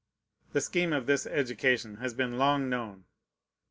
The scheme of this education has been long known.